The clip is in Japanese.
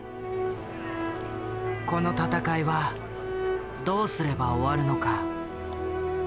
この戦いはどうすれば終わるのか。